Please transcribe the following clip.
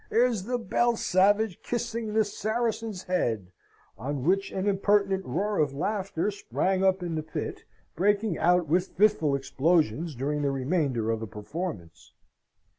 here's the Belle Savage kissing the Saracen's Head;" on which an impertinent roar of laughter sprang up in the pit, breaking out with fitful explosions during the remainder of the performance.